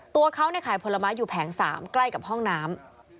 ตัวเขาขายผลไม้อยู่แผง๓ใกล้กับห้องน้ำ